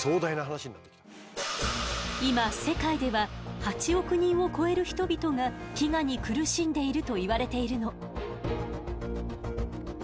今世界では８億人を超える人々が飢餓に苦しんでいるといわれているの。